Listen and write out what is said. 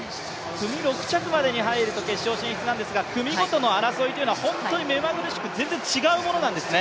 組６着までに入ると決勝進出なんですが、組ごとの争いというのは本当に目まぐるしく違うものなんですね。